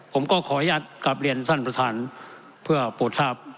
ผมก็ขออนุญาตกลับเรียนท่านประธานเพื่อโปรดทราบ